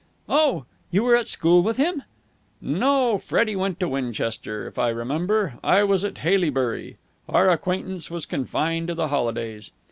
"Oh, you were at school with him?" "No. Freddie went to Winchester, if I remember. I was at Haileybury. Our acquaintance was confined to the holidays.